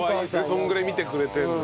それぐらい見てくれてるの。